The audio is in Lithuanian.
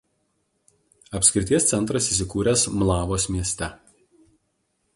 Apskrities centras įsikūręs Mlavos mieste.